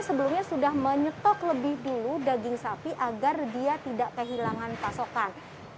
sebelumnya sudah menyetok lebih dulu daging sapi agar dia tidak kehilangan pasokan